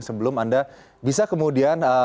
sebelum anda bisa kemudian